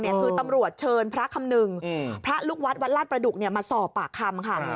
คือตำรวจเชิญพระคำนึงพระลูกวัดวัดลาดประดุกมาสอบปากคำค่ะ